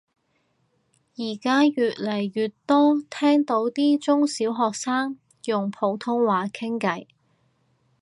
而家越嚟越多聽到啲中小學生用普通話傾偈